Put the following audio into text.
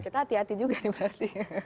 kita hati hati juga nih pasti